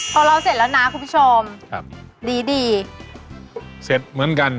พอเราเสร็จแล้วนะคุณผู้ชมครับดีดีเสร็จเหมือนกัน